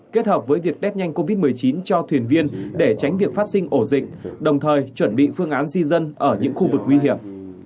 kết hợp với việc test nhanh covid một mươi chín cho thuyền viên để tránh việc phát sinh ổ dịch đồng thời chuẩn bị phương án di dân ở những khu vực nguy hiểm